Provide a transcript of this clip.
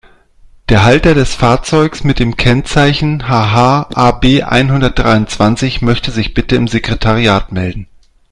Der Halter des Fahrzeugs mit dem Kennzeichen HH-AB-einhundertdreiundzwanzig möchte sich bitte im Sekretariat melden.